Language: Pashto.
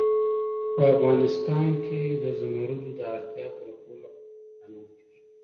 په افغانستان کې د زمرد د اړتیاوو پوره کولو لپاره اقدامات کېږي.